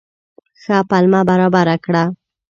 ښه پلمه برابره کړه.